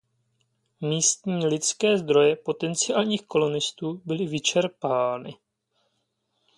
Místní lidské zdroje potenciálních kolonistů byly vyčerpány.